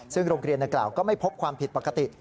ซึ่งโรงเรียนดังกล่าวก็ไม่พบความผิดปกติ